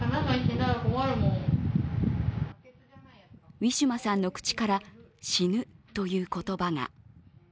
ウィシュマさんの口から死ぬという言葉が。